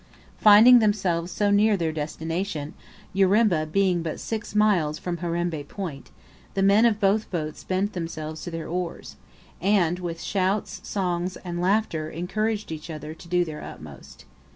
Finding themselves so near their destination, Urimba being but six miles from Herembe Point, the men of both boats bent themselves to their oars, and, with shouts, songs, and laughter, encouraged each other to do their utmost.